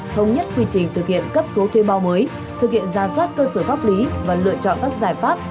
thống nhất quy trình thực hiện cấp số thuê bao mới thực hiện ra soát cơ sở pháp lý và lựa chọn các giải pháp